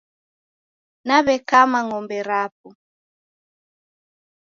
Naw'ekama ng'ombe rapo.